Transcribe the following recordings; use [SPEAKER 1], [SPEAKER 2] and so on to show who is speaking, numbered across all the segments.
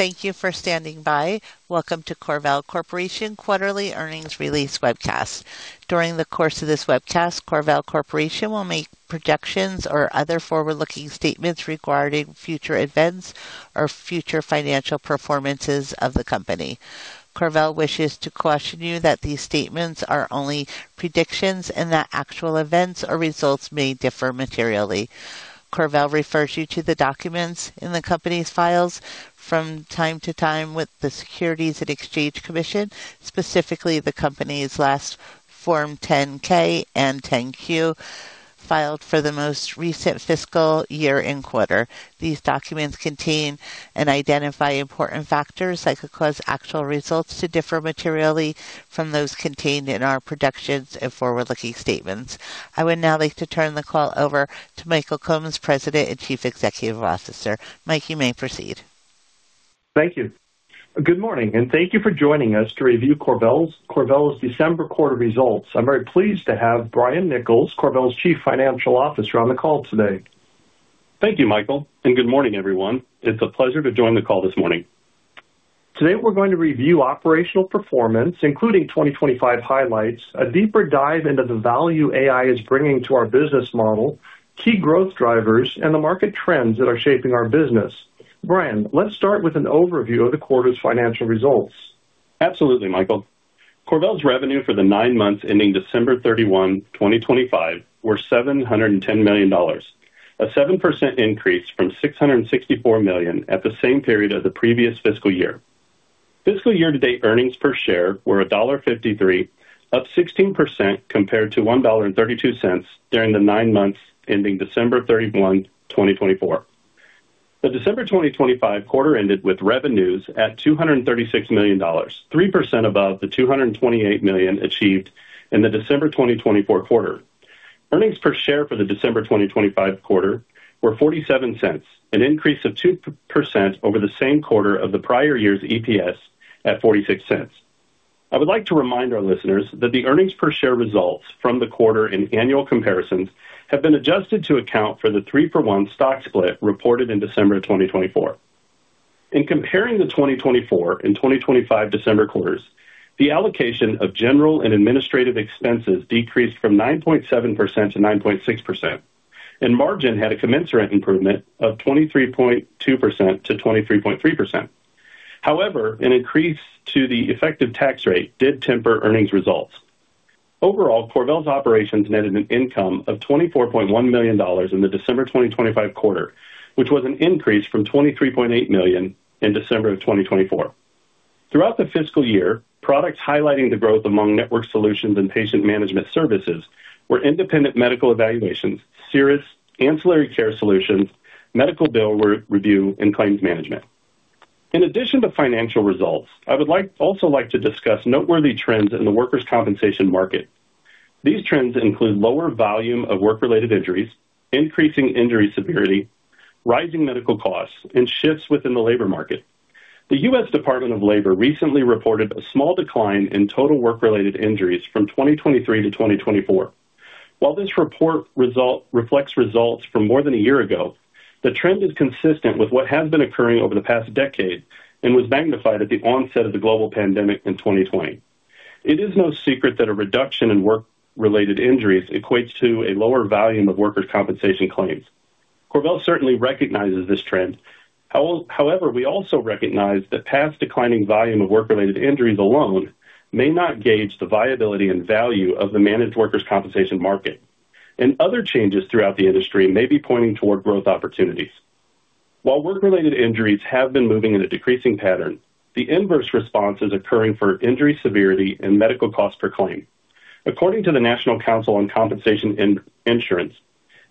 [SPEAKER 1] Thank you for standing by. Welcome to CorVel Corporation Quarterly Earnings Release Webcast. During the course of this webcast, CorVel Corporation will make projections or other forward-looking statements regarding future events or future financial performances of the company. CorVel wishes to caution you that these statements are only predictions and that actual events or results may differ materially. CorVel refers you to the documents in the company's files from time to time with the Securities and Exchange Commission, specifically the company's last Form 10-K and 10-Q filed for the most recent fiscal year and quarter. These documents contain and identify important factors that could cause actual results to differ materially from those contained in our projections and forward-looking statements. I would now like to turn the call over to Michael Combs, President and Chief Executive Officer. Mike, you may proceed.
[SPEAKER 2] Thank you. Good morning, and thank you for joining us to review CorVel's, CorVel's December quarter results. I'm very pleased to have Brian Nichols, CorVel's Chief Financial Officer, on the call today.
[SPEAKER 3] Thank you, Michael, and good morning, everyone. It's a pleasure to join the call this morning.
[SPEAKER 2] Today, we're going to review operational performance, including 2025 highlights, a deeper dive into the value AI is bringing to our business model, key growth drivers, and the market trends that are shaping our business. Brian, let's start with an overview of the quarter's financial results.
[SPEAKER 3] Absolutely, Michael. CorVel's revenue for the nine months ending December 31, 2025, were $710 million, a 7% increase from $664 million at the same period of the previous fiscal year. Fiscal year to date, earnings per share were $1.53, up 16% compared to $1.32 during the nine months ending December 31, 2024. The December 2025 quarter ended with revenues at $236 million, 3% above the $228 million achieved in the December 2024 quarter. Earnings per share for the December 2025 quarter were $0.47, an increase of 2% over the same quarter of the prior year's EPS at $0.46. I would like to remind our listeners that the earnings per share results from the quarter and annual comparisons have been adjusted to account for the three-for-one stock split reported in December of 2024. In comparing the 2024 and 2025 December quarters, the allocation of general and administrative expenses decreased from 9.7% to 9.6%, and margin had a commensurate improvement of 23.2% to 23.3%. However, an increase to the effective tax rate did temper earnings results. Overall, CorVel's operations netted an income of $24.1 million in the December 2025 quarter, which was an increase from $23.8 million in December of 2024. Throughout the fiscal year, products highlighting the growth among Network Solutions and Patient Management services were Independent Medical Evaluations, CERIS, Ancillary Care Solutions, Medical Bill Re-review, and Claims Management. In addition to financial results, I would also like to discuss noteworthy trends in the workers' compensation market. These trends include lower volume of work-related injuries, increasing injury severity, rising medical costs, and shifts within the labor market. The U.S. Department of Labor recently reported a small decline in total work-related injuries from 2023 to 2024. While this report result reflects results from more than a year ago, the trend is consistent with what has been occurring over the past decade and was magnified at the onset of the global pandemic in 2020. It is no secret that a reduction in work-related injuries equates to a lower volume of workers' compensation claims. CorVel certainly recognizes this trend. However, we also recognize that past declining volume of work-related injuries alone may not gauge the viability and value of the managed workers' compensation market, and other changes throughout the industry may be pointing toward growth opportunities. While work-related injuries have been moving in a decreasing pattern, the inverse response is occurring for injury severity and medical costs per claim. According to the National Council on Compensation Insurance,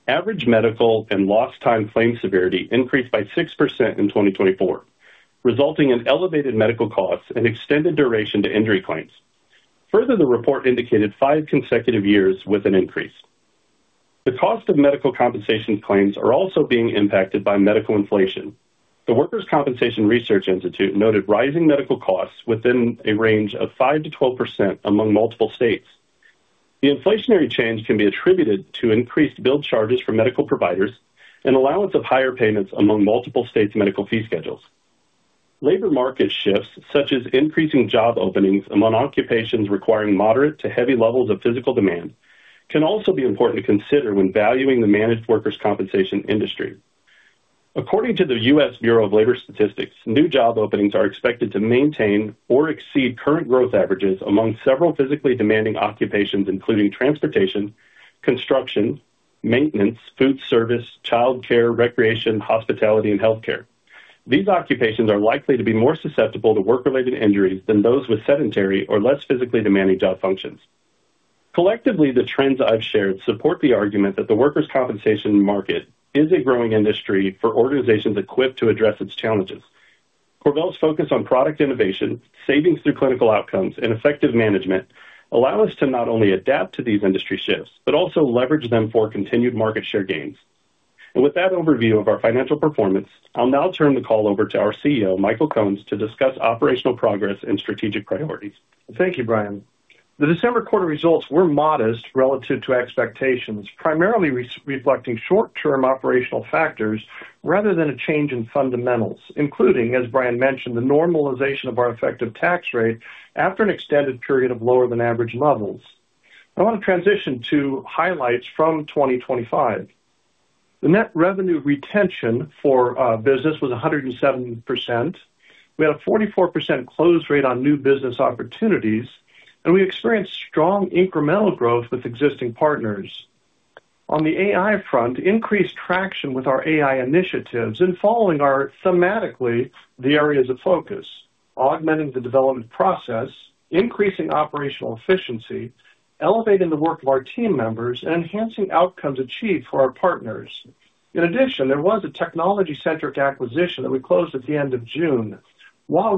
[SPEAKER 3] average medical and lost time claim severity increased by 6% in 2024, resulting in elevated medical costs and extended duration to injury claims. Further, the report indicated five consecutive years with an increase. The cost of medical compensation claims are also being impacted by medical inflation. The Workers Compensation Research Institute noted rising medical costs within a range of 5%-12% among multiple states. The inflationary change can be attributed to increased bill charges for medical providers and allowance of higher payments among multiple states' medical fee schedules. Labor market shifts, such as increasing job openings among occupations requiring moderate to heavy levels of physical demand, can also be important to consider when valuing the managed workers' compensation industry. According to the U.S. Bureau of Labor Statistics, new job openings are expected to maintain or exceed current growth averages among several physically demanding occupations, including transportation, construction, maintenance, food service, childcare, recreation, hospitality, and healthcare. These occupations are likely to be more susceptible to work-related injuries than those with sedentary or less physically demanding job functions. Collectively, the trends I've shared support the argument that the workers' compensation market is a growing industry for organizations equipped to address its challenges. CorVel's focus on product innovation, savings through clinical outcomes, and effective management allow us to not only adapt to these industry shifts, but also leverage them for continued market share gains. With that overview of our financial performance, I'll now turn the call over to our CEO, Michael Combs, to discuss operational progress and strategic priorities.
[SPEAKER 2] Thank you, Brian. The December quarter results were modest relative to expectations, primarily reflecting short-term operational factors rather than a change in fundamentals, including, as Brian mentioned, the normalization of our effective tax rate after an extended period of lower than average levels. I want to transition to highlights from 2025. The net revenue retention for our business was 107%. We had a 44% close rate on new business opportunities, and we experienced strong incremental growth with existing partners. On the AI front, increased traction with our AI initiatives and following are thematically the areas of focus: augmenting the development process, increasing operational efficiency, elevating the work of our team members, and enhancing outcomes achieved for our partners. In addition, there was a technology-centric acquisition that we closed at the end of June. While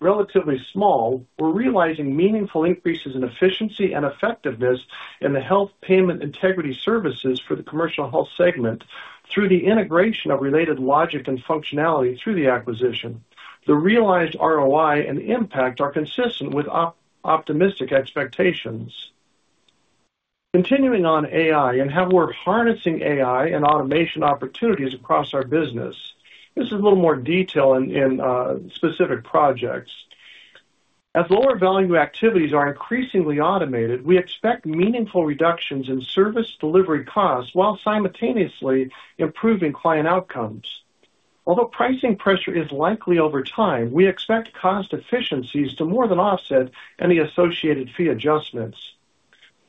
[SPEAKER 2] relatively small, we're realizing meaningful increases in efficiency and effectiveness in the health payment integrity services for the commercial health segment through the integration of related logic and functionality through the acquisition. The realized ROI and impact are consistent with optimistic expectations. Continuing on AI and how we're harnessing AI and automation opportunities across our business. This is a little more detail in specific projects. As lower-value activities are increasingly automated, we expect meaningful reductions in service delivery costs while simultaneously improving client outcomes. Although pricing pressure is likely over time, we expect cost efficiencies to more than offset any associated fee adjustments.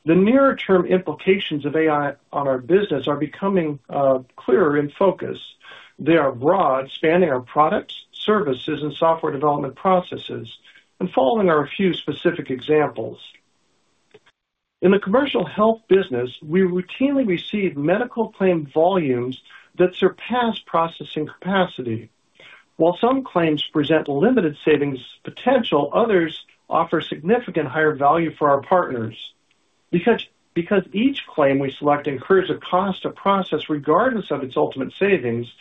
[SPEAKER 2] The nearer-term implications of AI on our business are becoming clearer in focus. They are broad, spanning our products, services, and software development processes, and following are a few specific examples. In the commercial health business, we routinely receive medical claim volumes that surpass processing capacity. While some claims present limited savings potential, others offer significant higher value for our partners. Because each claim we select incurs a cost to process regardless of its ultimate savings,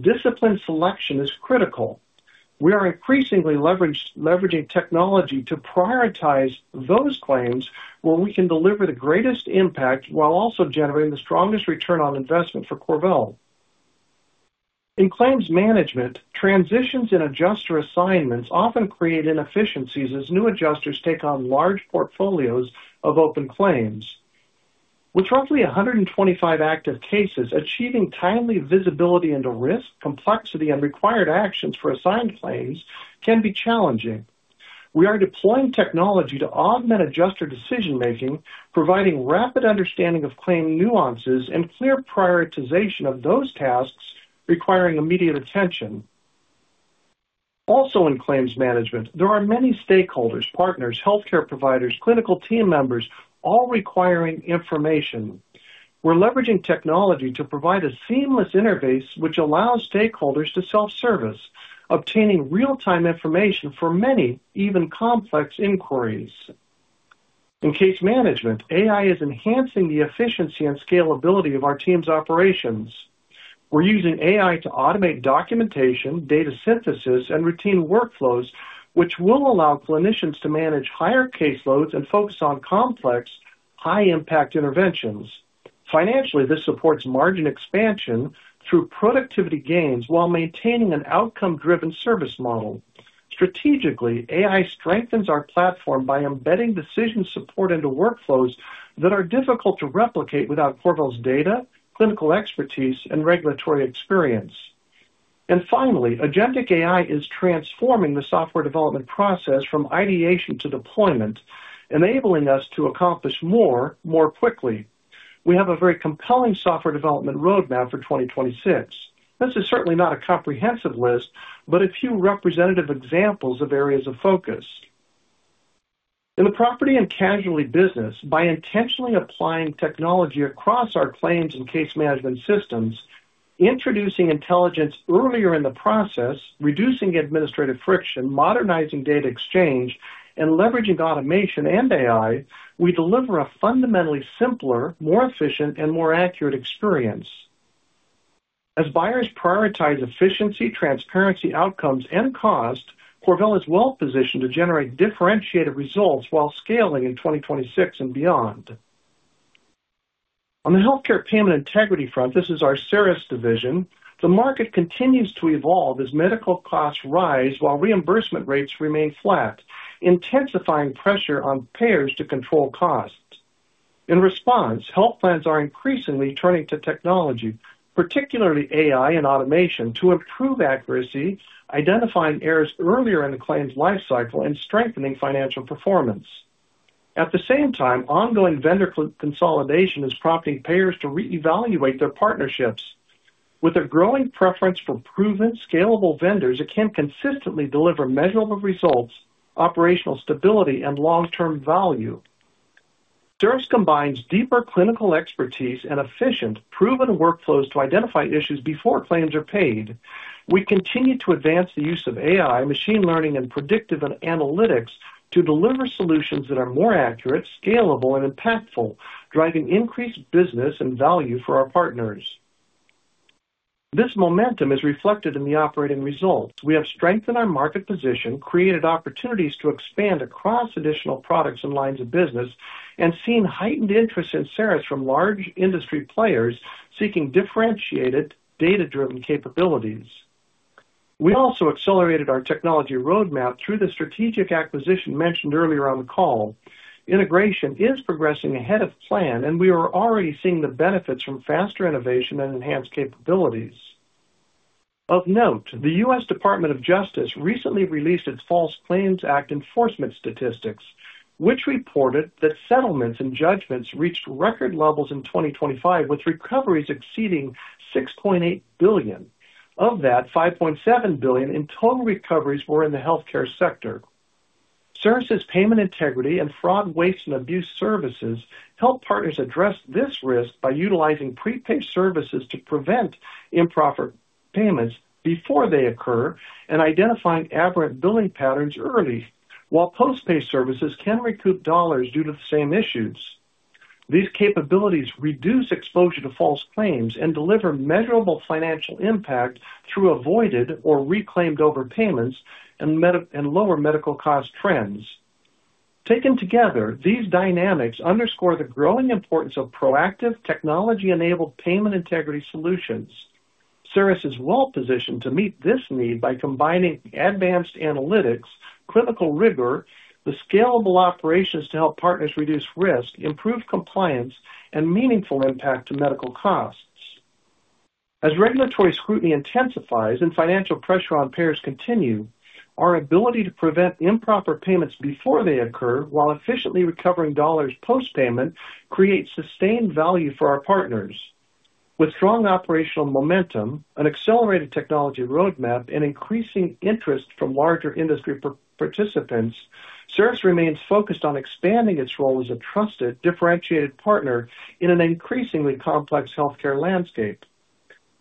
[SPEAKER 2] disciplined selection is critical. We are increasingly leveraging technology to prioritize those claims where we can deliver the greatest impact while also generating the strongest return on investment for CorVel. In claims management, transitions in adjuster assignments often create inefficiencies as new adjusters take on large portfolios of open claims. With roughly 125 active cases, achieving timely visibility into risk, complexity, and required actions for assigned claims can be challenging. We are deploying technology to augment adjuster decision-making, providing rapid understanding of claim nuances and clear prioritization of those tasks requiring immediate attention. Also, in claims management, there are many stakeholders, partners, healthcare providers, clinical team members, all requiring information. We're leveraging technology to provide a seamless interface which allows stakeholders to self-service, obtaining real-time information for many, even complex inquiries. In case management, AI is enhancing the efficiency and scalability of our team's operations. We're using AI to automate documentation, data synthesis, and routine workflows, which will allow clinicians to manage higher caseloads and focus on complex, high-impact interventions. Financially, this supports margin expansion through productivity gains while maintaining an outcome-driven service model. Strategically, AI strengthens our platform by embedding decision support into workflows that are difficult to replicate without CorVel's data, clinical expertise, and regulatory experience. And finally, Agentic AI is transforming the software development process from ideation to deployment, enabling us to accomplish more, more quickly. We have a very compelling software development roadmap for 2026. This is certainly not a comprehensive list, but a few representative examples of areas of focus. In the property and casualty business, by intentionally applying technology across our claims and case management systems, introducing intelligence earlier in the process, reducing administrative friction, modernizing data exchange, and leveraging automation and AI, we deliver a fundamentally simpler, more efficient, and more accurate experience. As buyers prioritize efficiency, transparency, outcomes, and cost, CorVel is well-positioned to generate differentiated results while scaling in 2026 and beyond. On the healthcare payment integrity front, this is our CERIS division. The market continues to evolve as medical costs rise while reimbursement rates remain flat, intensifying pressure on payers to control costs. In response, health plans are increasingly turning to technology, particularly AI and automation, to improve accuracy, identifying errors earlier in the claims lifecycle, and strengthening financial performance. At the same time, ongoing vendor consolidation is prompting payers to reevaluate their partnerships. With a growing preference for proven, scalable vendors, it can consistently deliver measurable results, operational stability, and long-term value. CERIS combines deeper clinical expertise and efficient, proven workflows to identify issues before claims are paid. We continue to advance the use of AI, machine learning, and predictive analytics to deliver solutions that are more accurate, scalable, and impactful, driving increased business and value for our partners.... This momentum is reflected in the operating results. We have strengthened our market position, created opportunities to expand across additional products and lines of business, and seen heightened interest in CERIS from large industry players seeking differentiated, data-driven capabilities. We also accelerated our technology roadmap through the strategic acquisition mentioned earlier on the call. Integration is progressing ahead of plan, and we are already seeing the benefits from faster innovation and enhanced capabilities. Of note, the U.S. Department of Justice recently released its False Claims Act enforcement statistics, which reported that settlements and judgments reached record levels in 2025, with recoveries exceeding $6.8 billion. Of that, $5.7 billion in total recoveries were in the healthcare sector. CERIS' payment integrity and fraud, waste, and abuse services help partners address this risk by utilizing prepaid services to prevent improper payments before they occur and identifying aberrant billing patterns early, while post-pay services can recoup dollars due to the same issues. These capabilities reduce exposure to false claims and deliver measurable financial impact through avoided or reclaimed overpayments and lower medical cost trends. Taken together, these dynamics underscore the growing importance of proactive, technology-enabled payment integrity solutions. CERIS is well positioned to meet this need by combining advanced analytics, clinical rigor, with scalable operations to help partners reduce risk, improve compliance, and meaningful impact to medical costs. As regulatory scrutiny intensifies and financial pressure on payers continue, our ability to prevent improper payments before they occur while efficiently recovering dollars post-payment, creates sustained value for our partners. With strong operational momentum, an accelerated technology roadmap, and increasing interest from larger industry participants, CERIS remains focused on expanding its role as a trusted, differentiated partner in an increasingly complex healthcare landscape.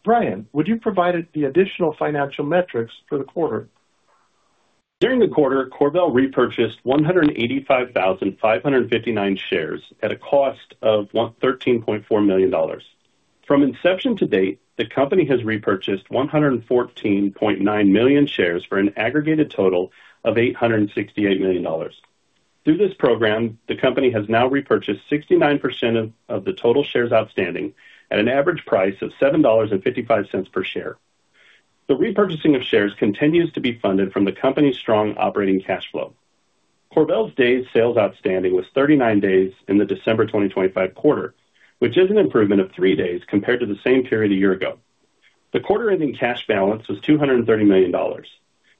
[SPEAKER 2] Brian, would you provide the additional financial metrics for the quarter?
[SPEAKER 3] During the quarter, CorVel repurchased 185,559 shares at a cost of $13.4 million. From inception to date, the company has repurchased 114.9 million shares for an aggregate total of $868 million. Through this program, the company has now repurchased 69% of the total shares outstanding at an average price of $7.55 per share. The repurchasing of shares continues to be funded from the company's strong operating cash flow. CorVel's Days Sales Outstanding was 39 days in the December 2025 quarter, which is an improvement of three days compared to the same period a year ago. The quarter-ending cash balance was $230 million.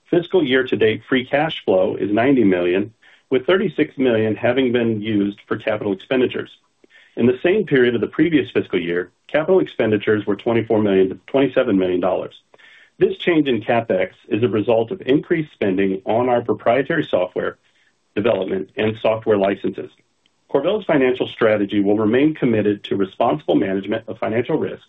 [SPEAKER 3] Fiscal year to date, free cash flow is $90 million, with $36 million having been used for capital expenditures. In the same period of the previous fiscal year, capital expenditures were $24 million-$27 million. This change in CapEx is a result of increased spending on our proprietary software development and software licenses. CorVel's financial strategy will remain committed to responsible management of financial risk.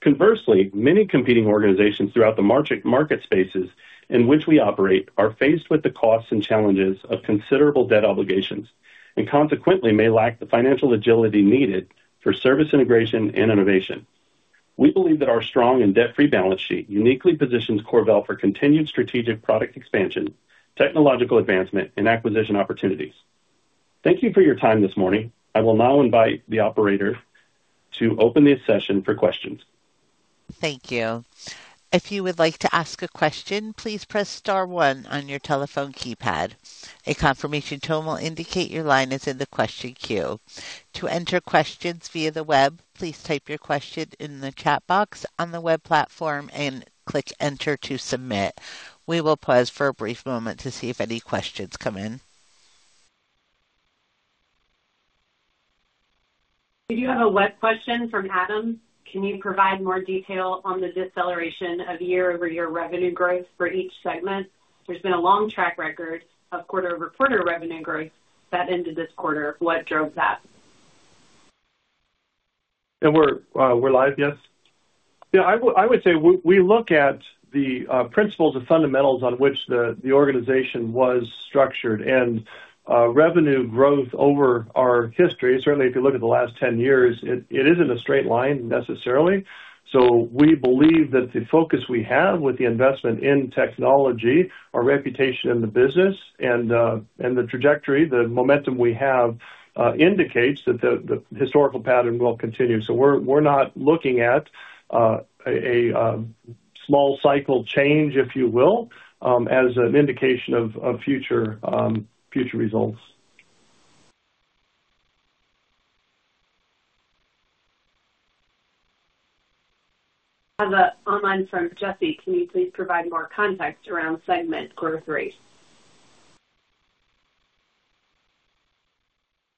[SPEAKER 3] Conversely, many competing organizations throughout the market spaces in which we operate are faced with the costs and challenges of considerable debt obligations and consequently may lack the financial agility needed for service integration and innovation. We believe that our strong and debt-free balance sheet uniquely positions CorVel for continued strategic product expansion, technological advancement, and acquisition opportunities. Thank you for your time this morning. I will now invite the operator to open this session for questions.
[SPEAKER 1] Thank you. If you would like to ask a question, please press star one on your telephone keypad. A confirmation tone will indicate your line is in the question queue. To enter questions via the web, please type your question in the chat box on the web platform and click Enter to submit. We will pause for a brief moment to see if any questions come in. We do have a web question from Adam: Can you provide more detail on the deceleration of year-over-year revenue growth for each segment? There's been a long track record of quarter-over-quarter revenue growth that ended this quarter. What drove that?
[SPEAKER 2] We're live, yes? Yeah, I would say we look at the principles and fundamentals on which the organization was structured, and revenue growth over our history, certainly, if you look at the last 10 years, it isn't a straight line necessarily. So we believe that the focus we have with the investment in technology, our reputation in the business, and the trajectory, the momentum we have, indicates that the historical pattern will continue. So we're not looking at a small cycle change, if you will, as an indication of future results.
[SPEAKER 1] I have an online from Jesse: Can you please provide more context around segment quarter three?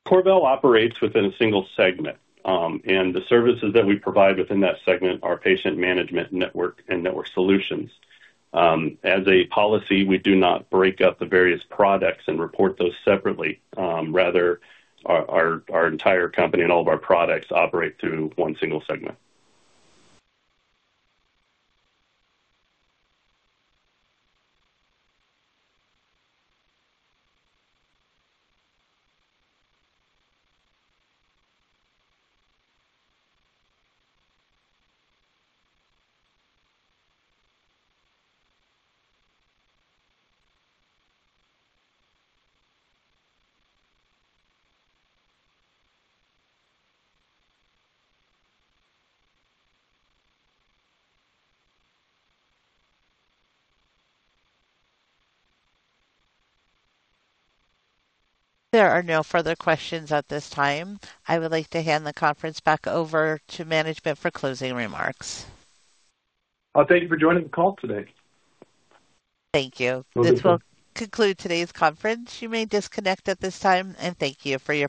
[SPEAKER 3] CorVel operates within a single segment. The services that we provide within that segment are Patient Management, network, and Network Solutions. As a policy, we do not break up the various products and report those separately. Rather, our entire company and all of our products operate through one single segment.
[SPEAKER 1] There are no further questions at this time. I would like to hand the conference back over to management for closing remarks.
[SPEAKER 2] Thank you for joining the call today.
[SPEAKER 1] Thank you.
[SPEAKER 2] Well, thank you.
[SPEAKER 1] This will conclude today's conference. You may disconnect at this time, and thank you for your participation.